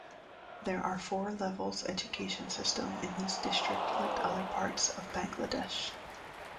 There are four levels education system in this district like other parts of Bangladesh.